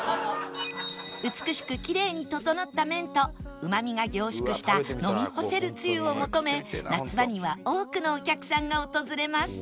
美しくきれいに整った麺とうまみが凝縮した飲み干せるつゆを求め夏場には多くのお客さんが訪れます